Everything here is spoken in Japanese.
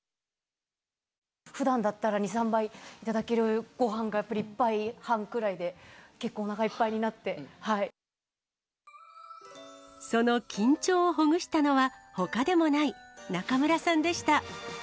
ふだんだったら２、３杯頂けるごはんが、やっぱり１杯半くらいで、その緊張をほぐしたのは、ほかでもない中村さんでした。